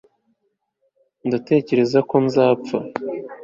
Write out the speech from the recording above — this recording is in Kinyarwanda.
ndatekereza ko nzapfa